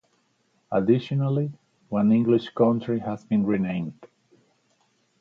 Additionally, one English county has been renamed.